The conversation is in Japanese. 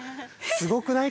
◆すごくない？